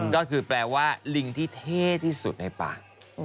ก็คือแปลว่าลิงที่เท่ที่สุดในปาก